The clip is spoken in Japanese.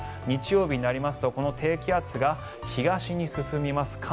日曜日になりますとこの低気圧が東に進みます。